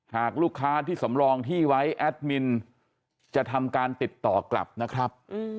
หากลูกค้าที่สำรองที่ไว้แอดมินจะทำการติดต่อกลับนะครับ